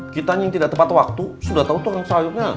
kita yang tidak tepat waktu sudah tau tukang sayurnya